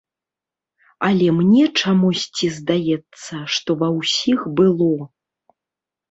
Але мне чамусьці здаецца, што ва ўсіх было.